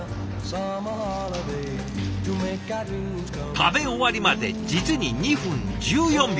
食べ終わりまで実に２分１４秒。